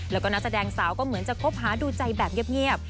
แล้วก็นักแสดงสาวก็เหมือนจะคบหาดูใจแบบเงียบ